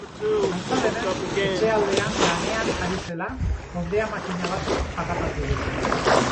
Antza denez, etxaldean lanean ari zela, hondeamakina batek harrapatu du.